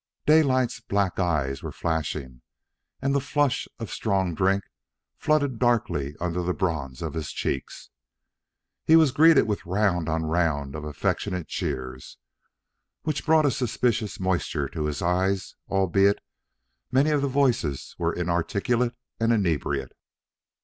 Daylight's black eyes were flashing, and the flush of strong drink flooded darkly under the bronze of his cheeks. He was greeted with round on round of affectionate cheers, which brought a suspicious moisture to his eyes, albeit many of the voices were inarticulate and inebriate.